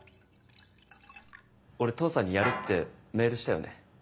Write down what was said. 俺父さんに「やる」ってメールしたよね？